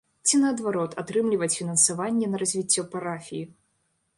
Ці наадварот, атрымліваць фінансаванне на развіццё парафіі.